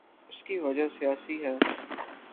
اس کی وجہ سیاسی ہے۔